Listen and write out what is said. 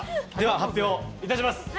発表いたします。